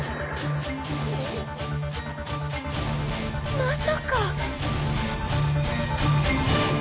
まさか。